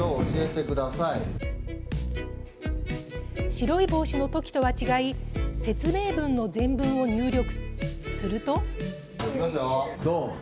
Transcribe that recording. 白いぼうしのときとは違い説明文の全文を入力。